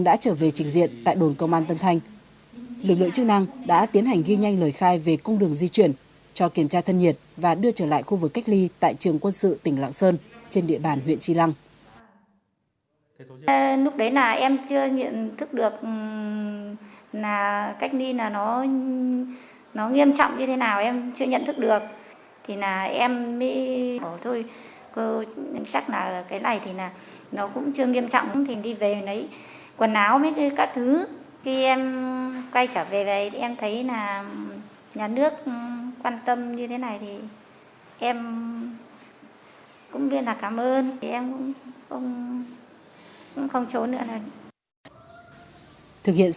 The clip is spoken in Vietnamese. lực lượng chức năng đã tiến hành ghi nhanh lời khai về công đường di chuyển cho kiểm tra thân nhiệt và đưa trở lại khu vực cách ly tại trường quân sự tỉnh lạng sơn trên địa bàn huyện tri lăng